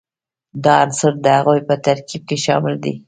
دا عنصر د هغوي په ترکیب کې شامل دي.